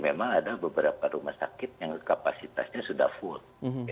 memang ada beberapa rumah sakit yang kapasitasnya sudah full